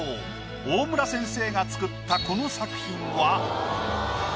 大村先生が作ったこの作品は。